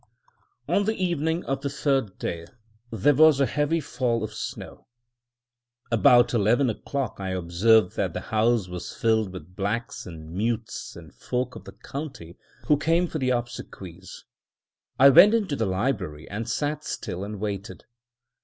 On the evening of the third day there was a heavy fall of snow. About eleven o'clock I observed that the house was filled with blacks and mutes and folk of the county, who came for the obsequies. I went into the library and sat still, and waited.